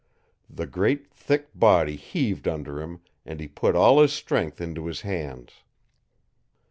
The great thick body heaved under him, and he put all his strength into his hands.